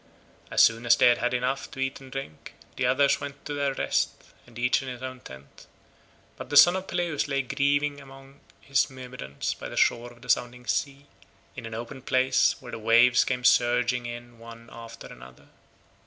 As soon as they had had enough to eat and drink, the others went to their rest each in his own tent, but the son of Peleus lay grieving among his Myrmidons by the shore of the sounding sea, in an open place where the waves came surging in one after another.